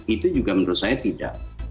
itu juga menurut saya tidak